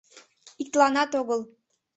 — Иктыланат огыл.